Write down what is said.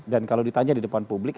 dan kalau ditanya di depan publik